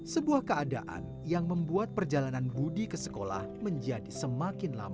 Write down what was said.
sebuah keadaan yang membuat perjalanan budi ke sekolah menjadi semakin lama